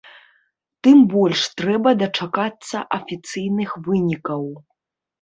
Тым больш трэба дачакацца афіцыйных вынікаў.